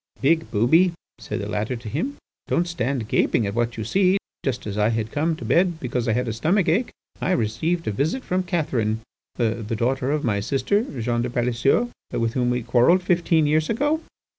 'Big booby,' said the latter to him, 'don't stand gaping at what you see, just as I had come to bed because had a stomach ache, I received a visit from Catherine, the daughter of my sister Jeanne de Palaiseau, with whom we quarrelled fifteen years ago.